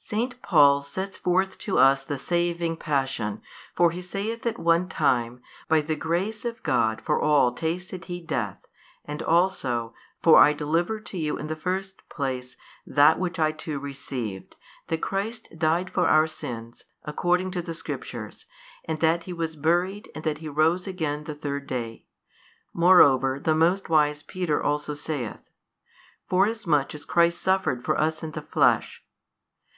Saint Paul sets forth to us the Saving Passion, for he saith at one time, By the Grace of God for all tasted He death and also, For I delivered to you in the first place that which I too received, that Christ died for our sins according to the Scriptures and that He was buried and that He rose again the third day: moreover the most wise Peter also saith, Forasmuch as Christ suffered for us in the Flesh.